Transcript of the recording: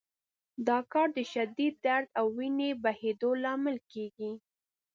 دا کار د شدید درد او وینې بهېدو لامل کېږي.